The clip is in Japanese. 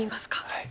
はい。